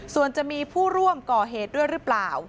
ส่วนจะมีผู้ร่วมก่อเหตุด้วยหรือเปล่า